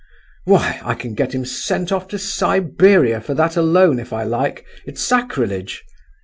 Why, I can get him sent off to Siberia for that alone, if I like; it's sacrilege.